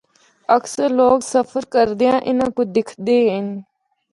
اکثر لوگ سفر کردیاں اِناں کو دکھدے ہن۔